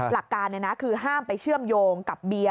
หลักการคือห้ามไปเชื่อมโยงกับเบียร์